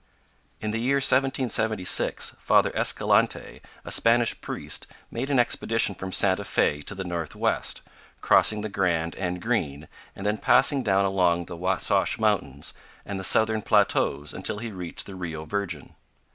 In the year 1776, Father Escalante, a Spanish priest, made an expedition from Santa Fe to the northwest, crossing the Grand and Green, and then passing down along the Wasatch Mountains and the southern plateaus until he reached the Rio Virgen.